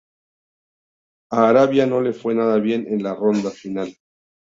A Arabia no le fue nada bien en la ronda final.